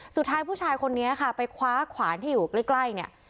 สุดท้ายผู้ชายคนนี้ค่ะไปคว้าขวานที่อยู่ใกล้เนี่ย